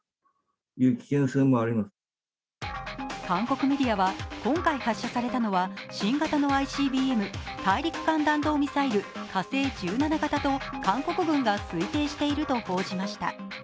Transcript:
韓国のメディアは今回発射されたのは新型のＩＣＢＭ＝大陸間弾道ミサイル火星１７型と韓国軍が推定していると報じました。